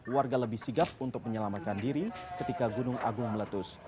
warga lebih sigap untuk menyelamatkan diri ketika gunung agung meletus